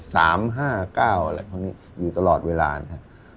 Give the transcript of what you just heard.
สามห้าเก้าอะไรพวกนี้อยู่ตลอดเวลานะครับ